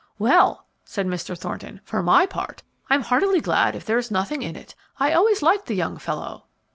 "Well," said Mr. Thornton, "for my part, I'm heartily glad if there is nothing in it. I always liked the young fellow."